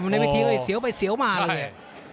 ในเวัยทีเว่ยเสียวไปเสียวมาเลย